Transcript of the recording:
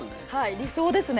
理想ですね